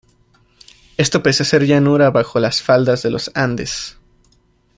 Esto pese a ser llanura bajo las faldas de los Andes.